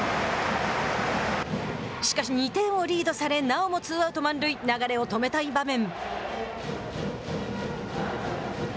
しかし、２点をリードされなおもツーアウト、満塁流れを止めたい場面。